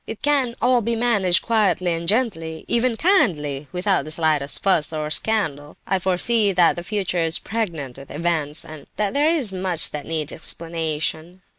It can all be managed quietly and gently, even kindly, and without the slightest fuss or scandal. I foresee that the future is pregnant with events, and that there is much that needs explanation.